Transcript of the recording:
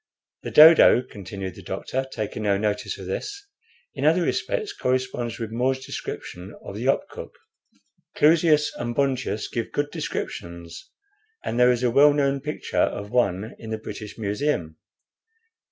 "The dodo," continued the doctor, taking no notice of this, "in other respects corresponds with More's description of the opkuk. Clusius and Bontius give good descriptions and there is a well known picture of one in the British Museum.